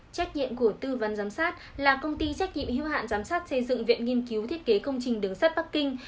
trách nhiệm của tư vấn giám sát là công ty trách nhiệm hưu hạn giám sát xây dựng viện nghiên cứu thiết kế công trình đường sắt bắc kinh